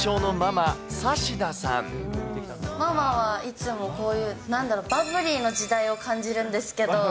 ママはいつもこういう、なんだろ、バブリーの時代を感じるんですけど。